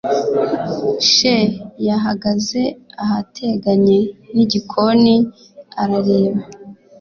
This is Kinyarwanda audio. SHE yahagaze ahateganye nigikoni arareba